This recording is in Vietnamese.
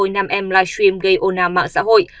nam em livestream gây ồn ào mạng xã hội